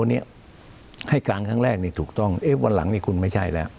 วันนี้ให้การครั้งแรกนี่ถูกต้องเอ๊ะวันหลังนี่คุณไม่ใช่แล้ว